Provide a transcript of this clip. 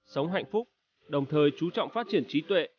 sống hạnh phúc đồng thời chú trọng phát triển trí tuệ